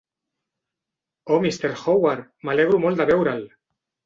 Oh Mr. Howard, m'alegro molt de veure'l!